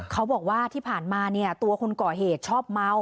เขาบอกว่าที่ผ่านมาเนี่ยตัวคนก่อเหตุชอบเมา